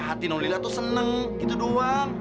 hati nulila tuh seneng gitu doang